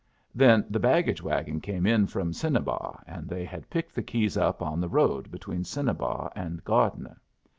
Then the baggage wagon came in from Cinnabar, and they had picked the keys up on the road between Cinnabar and Gardner.